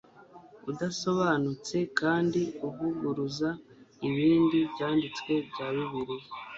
udasobanutse kandi uvuguruza ibindi byanditswe bya bibiliya